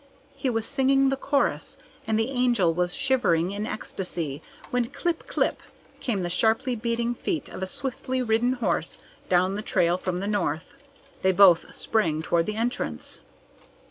He was singing the chorus, and the Angel was shivering in ecstasy, when clip! clip! came the sharply beating feet of a swiftly ridden horse down the trail from the north. They both sprang toward the entrance.